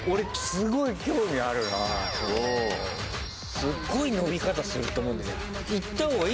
すっごい伸び方すると思うんだよ。